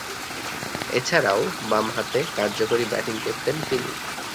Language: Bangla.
এছাড়াও, বামহাতে কার্যকরী ব্যাটিং করতেন তিনি।